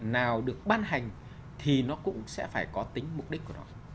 nào được ban hành thì nó cũng sẽ phải có tính mục đích của nó